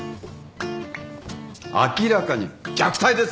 明らかに虐待です！